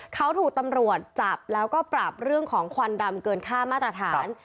เขาถูกตำรวจจับแล้วก็ปรับเรื่องของควันดำเกินค่ามาตรฐาน